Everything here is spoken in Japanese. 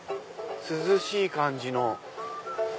涼しい感じの。